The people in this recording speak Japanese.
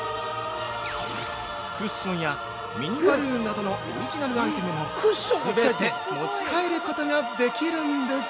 クッションやミニバルーンなどのオリジナルアイテムもすべて持ち帰ることができるんです。